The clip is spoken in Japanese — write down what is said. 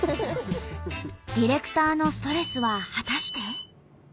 ディレクターのストレスは果たして。